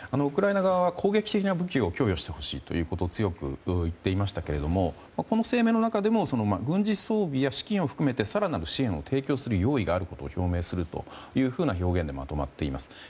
ウクライナ側は攻撃的な武器を供与してほしいということを強く言っていましたけどもこの声明の中でも軍事装備や資金を含めて更なる支援を提供する用意があると表明するというふうな表現でまとまっています。